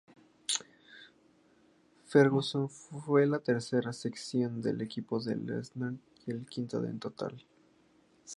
Ferguson fue la tercera selección del equipo de Lesnar y el quinto en total.